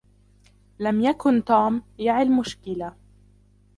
لم يكن "توم" يعي المشكلة